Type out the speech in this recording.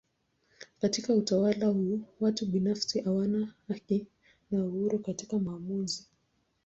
Katika utawala huu watu binafsi hawana haki na uhuru katika maamuzi.